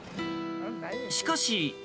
しかし。